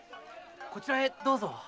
こちらへどうぞ。